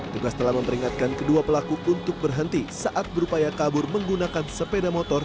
tugas telah memperingatkan kedua pelaku untuk berhenti saat berupaya kabur menggunakan sepeda motor